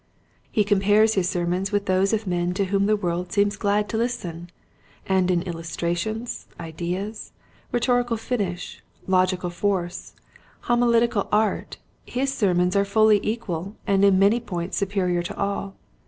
He compares his sermons with those of men to whom the world seems glad to listen, and in illus trations, ideas, rhetorical finish, logical force, homiletical art, his sermons are fully equal and in many points superior to all.